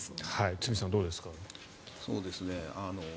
堤さん、どうですか？